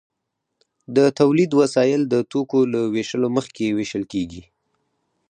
د تولید وسایل د توکو له ویشلو مخکې ویشل کیږي.